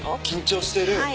緊張している？